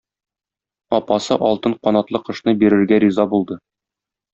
Апасы алтын канатлы кошны бирергә риза булды.